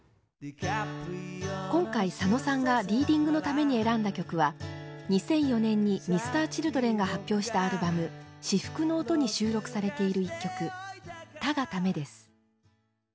今回佐野さんがリーディングのために選んだ曲は２００４年にＭｒ．Ｃｈｉｌｄｒｅｎが発表したアルバム「シフクノオト」に収録されている一曲「タガタメ」です。